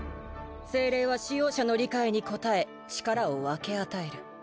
精霊は使用者の理解に応え力を分け与える。